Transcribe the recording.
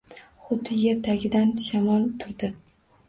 Xuddi yer tagidan shamol turdi.